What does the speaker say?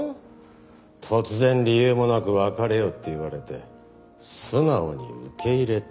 突然理由もなく別れようって言われて素直に受け入れた？